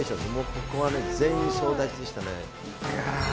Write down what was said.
ここはね全員総立ちでしたね。